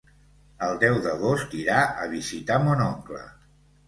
El deu d'agost irà a visitar mon oncle.